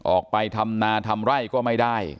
ออกไปทำนาทำไร่ก็ไม่ได้